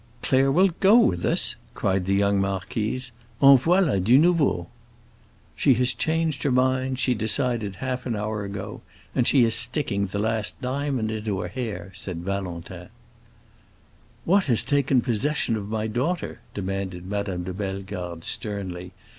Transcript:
"Claire will go with us!" cried the young marquise. "En voilà, du nouveau!" "She has changed her mind; she decided half an hour ago, and she is sticking the last diamond into her hair," said Valentin. "What has taken possession of my daughter?" demanded Madame de Bellegarde, sternly.